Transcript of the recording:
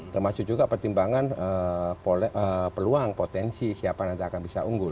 termasuk juga pertimbangan peluang potensi siapa nanti akan bisa unggul